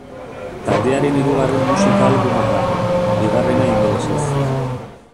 Taldearen hirugarren musika albuma da, bigarrena ingelesez.